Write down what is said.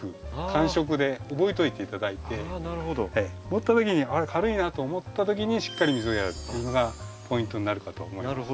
持った時に「あっ軽いな」と思った時にしっかり水をやるっていうのがポイントになるかと思います。